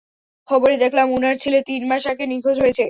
খবরে দেখলাম উনার ছেলে তিন মাস আগে নিখোঁজ হয়েছে।